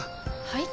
はい？